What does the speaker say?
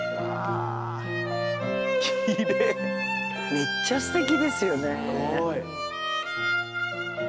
めっちゃ素敵ですよね。